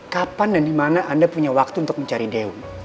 kapan dan dimana anda punya waktu untuk mencari daung